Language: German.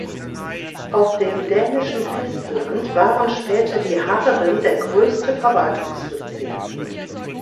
Auf dem dänischen Festland waren später die Harden der größte Verwaltungsbezirk.